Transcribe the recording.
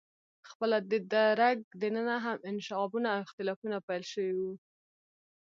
خپله د درګ دننه هم انشعابونه او اختلافونه پیل شوي وو.